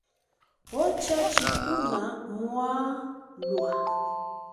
Ocha tshikuna mwalwa.